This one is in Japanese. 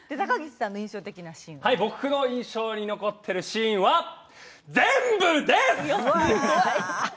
僕の印象に残っているシーンは、全部です！